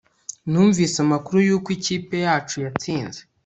Numvise amakuru yuko ikipe yacu yatsinze